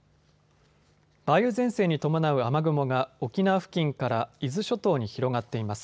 梅雨前線に伴う雨雲が沖縄付近から伊豆諸島に広がっています。